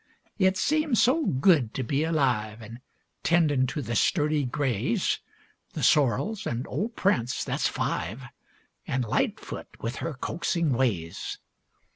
It seems so good to be alive, An' tendin' to the sturdy grays, The sorrels, and old Prince, that's five An' Lightfoot with her coaxing ways.